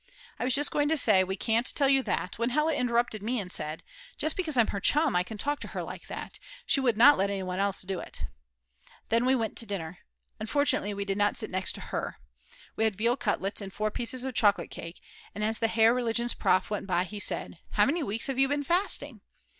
I was just going to say: "We can't tell you that," when Hella interrupted me and said: "Just because I'm her chum I can talk to her like that; she would not let anyone else do it." Then we went to dinner. Unfortunately we did not sit next "her." We had veal cutlets and four pieces of chocolate cake, and as the Herr Religionsprof. went by he said: "How many weeks have you been fasting?"